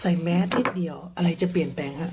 ใส่แมสนิดเดียวอะไรจะเปลี่ยนเปลี่ยนครับ